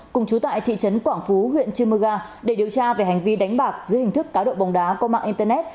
cùng chú tại thị trấn quảng phú huyện chimuga để điều tra về hành vi đánh bạc dưới hình thức cáo độ bóng đá có mạng internet